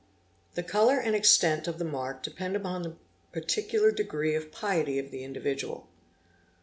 The colour and extent of the mark depend upon the particular degree of piety of the individual.